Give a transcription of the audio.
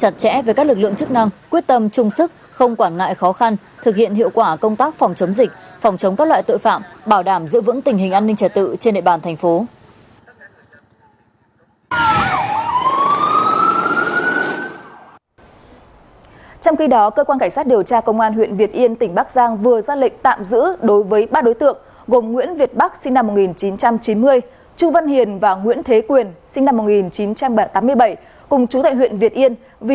các lực lượng chức năng quyết tâm trung sức không quản ngại khó khăn thực hiện hiệu quả công tác phòng chống dịch phòng chống các loại tội phạm phòng chống các loại tội phạm